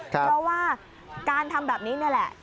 เพราะว่าการทำแบบนี้นี่แหละ